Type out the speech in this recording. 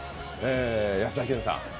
安田顕さん。